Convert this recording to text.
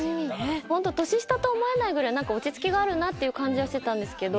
ホント年下と思えないぐらい何か落ち着きがあるなっていう感じはしてたんですけど